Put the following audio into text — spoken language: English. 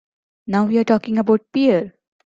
Now you are talking about beer!